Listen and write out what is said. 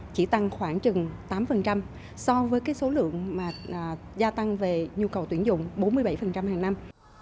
chỉ tăng khoảng chừng tám so với số lượng gia tăng về nhu cầu tuyển dụng bốn mươi bảy hàng năm